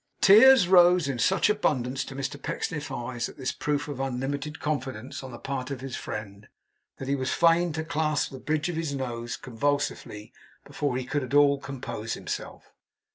The tears rose in such abundance to Mr Pecksniff's eyes at this proof of unlimited confidence on the part of his friend, that he was fain to clasp the bridge of his nose convulsively before he could at all compose himself.